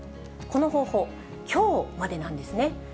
この方法、きょうまでなんですね。